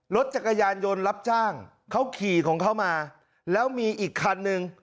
รถจักรยานยนต์รับจ้างเขาขี่ของเขามาแล้วมีอีกคันนึง